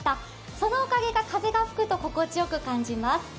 そのおかげか風が吹くと心地よく感じます。